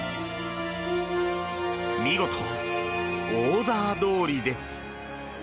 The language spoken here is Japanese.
見事、オーダーどおりです。